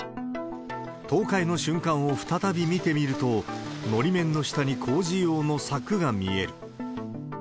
倒壊の瞬間を再び見てみると、のり面の下に工事用の柵が見える。